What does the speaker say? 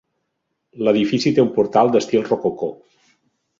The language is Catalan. L'edifici té un portal d'estil rococó.